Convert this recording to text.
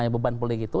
beban politik itu